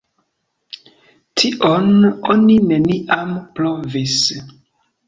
Tion oni neniam provis.